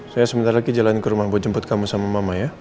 saya sebentar lagi jalan ke rumah buat jemput kamu sama mama ya